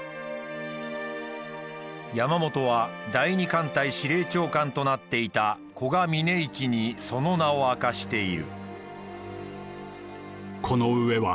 山本は第二艦隊司令長官となっていた古賀峯一にその名を明かしている。